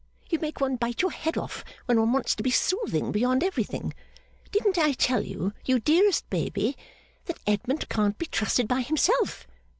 You make one bite your head off, when one wants to be soothing beyond everything. Didn't I tell you, you dearest baby, that Edmund can't be trusted by himself?